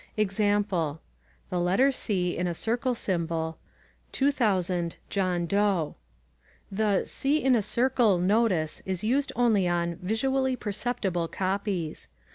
Example: (the letter C in a circle symbol) 2000 John Doe The "C in a circle" notice is used only on "visually perceptible copies."